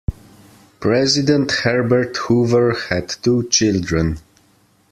President Herbert Hoover had two children.